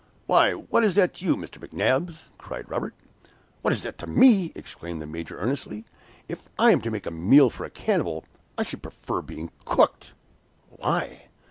"Why, what is that to you, Mr. McNabbs?" cried Robert. "What is that to me!" exclaimed the Major, earnestly. "If I am to make a meal for a cannibal, I should prefer being cooked." "Why?"